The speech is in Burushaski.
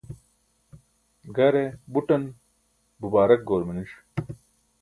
gare buṭan bubaarak goor maniṣ